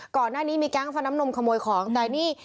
ก่อนหน้านี้มีแก๊งฟันน้ำนมขโมยของแต่นี่